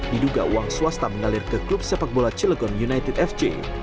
diduga uang swasta mengalir ke klub sepak bola cilegon united fj